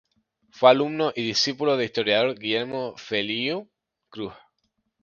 Fue alumno y discípulo del historiador Guillermo Feliú Cruz.